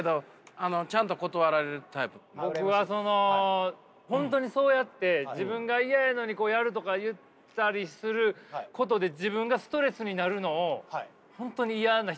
ないことないけど僕はその本当にそうやって自分が嫌やのにやるとか言ったりすることで自分がストレスになるのを本当に嫌な人なんで。